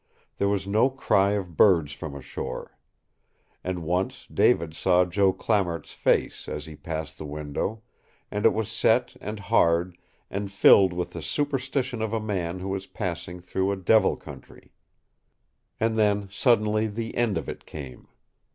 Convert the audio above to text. There was no cry of birds from ashore. And once David saw Joe Clamart's face as he passed the window, and it was set and hard and filled with the superstition of a man who was passing through a devil country. And then suddenly the end of it came.